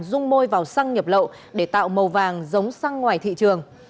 rung môi vào xăng nhập lậu để tạo màu vàng giống xăng ngoài thị trường